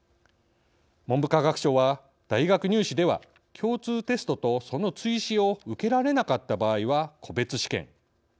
文部科学省は大学入試では共通テストとその追試を受けられなかった場合は個別試験。